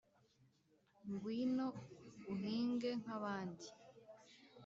ngwino uhinge nkabandi